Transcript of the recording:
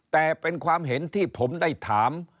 แต่เป็นความเห็นที่ผมได้ถาม